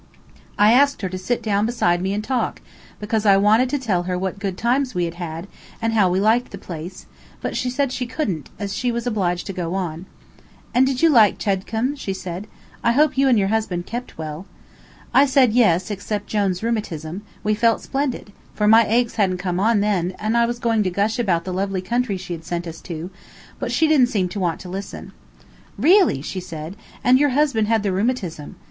I asked her to sit down beside me and talk, because I wanted to tell her what good times we had had, and how we liked the place, but she said she couldn't, as she was obliged to go on. "And did you like Chedcombe?" said she. "I hope you and your husband kept well." I said yes, except Jone's rheumatism, we felt splendid; for my aches hadn't come on then, and I was going on to gush about the lovely country she had sent us to, but she didn't seem to want to listen. "Really," said she, "and your husband had the rheumatism.